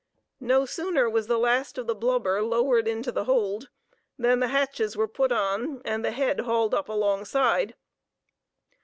No sooner was the last of the blubber lowered into the hold than the hatches were put on and the head hauled up alongside.